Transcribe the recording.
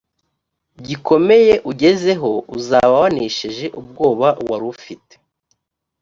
gikomeye ugezeho uzaba wanesheje ubwoba wari ufite